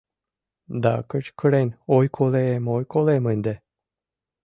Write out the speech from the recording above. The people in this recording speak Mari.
Да кычкырен «Ой колем, ой колем ынде!».